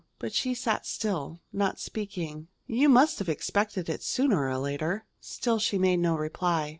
But she sat still, not speaking. "You must have expected it, sooner or later." Still she made no reply.